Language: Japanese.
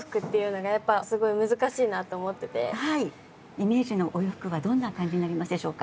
イメージのお洋服はどんな感じになりますでしょうか？